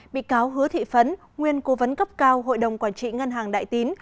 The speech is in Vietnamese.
bị cáo hứa thị phấn nguyên cố vấn cấp cao hội đồng quản trị ngân hàng đại tín